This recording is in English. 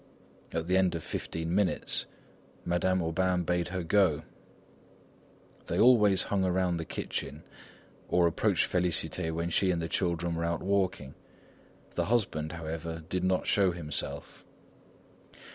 At the end of fifteen minutes, Madame Aubain bade her go. They always hung around the kitchen, or approached Félicité when she and the children were out walking. The husband, however, did not show himself.